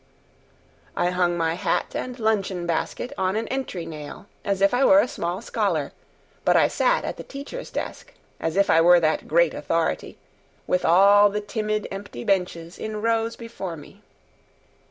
I hung my hat and luncheon basket on an entry nail as if I were a small scholar, but I sat at the teacher's desk as if I were that great authority, with all the timid empty benches in rows before me.